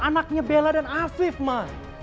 anaknya bella dan afif ma